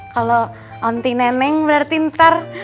kalo nanti neneng berarti ntar